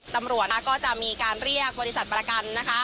ตำรวจก็จะมีการเรียกบริษัทประกันนะคะ